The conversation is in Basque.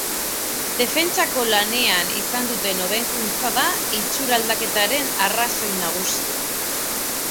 Defentsako lanean izan duten hobekuntza da itxuraldaketaren arrazoi nagusia.